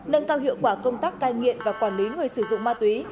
nâng cao hiệu quả công tác cai nghiện và quản lý người sử dụng ma túy